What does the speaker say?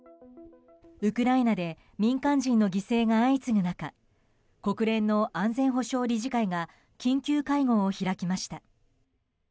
ウクライナで民間人の犠牲が相次ぐ中国連の安全保障理事会が緊急会合を開きました。